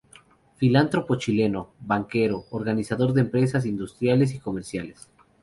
Filántropo chileno, banquero, organizador de empresas industriales y comerciales.